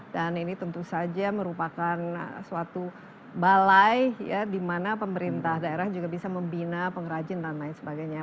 dan ini tentu saja merupakan suatu balai ya di mana pemerintah daerah juga bisa membina pengrajin dan lain sebagainya